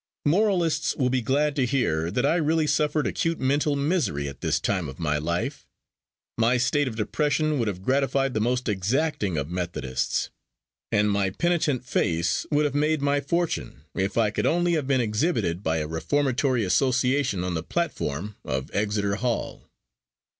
Moralists will be glad to hear that I really suffered acute mental misery at this time of my life. My state of depression would have gratified the most exacting of Methodists; and my penitent face would have made my fortune if I could only have been exhibited by a reformatory association on the platform of Exeter Hall.